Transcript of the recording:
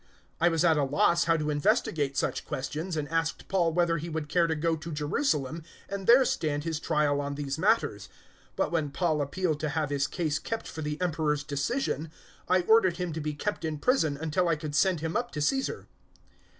025:020 I was at a loss how to investigate such questions, and asked Paul whether he would care to go to Jerusalem and there stand his trial on these matters. 025:021 But when Paul appealed to have his case kept for the Emperor's decision, I ordered him to be kept in prison until I could send him up to Caesar."